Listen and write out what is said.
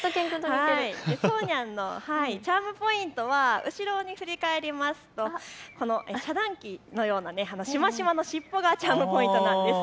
そうにゃんのチャームポイントは後ろを振り返りますと遮断機のようなしましまの尻尾がチャームポイントだそうです。